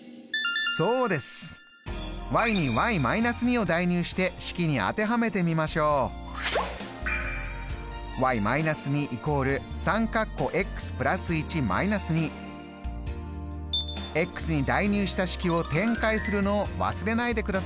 そうです！に−２を代入して式に当てはめてみましに代入した式を展開するのを忘れないでくださいね。